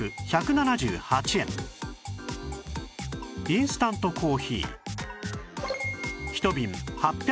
インスタントコーヒー